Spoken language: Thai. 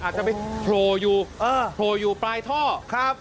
อาจจะไปโผล่อยู่โผล่อยู่ปลายท่อครับ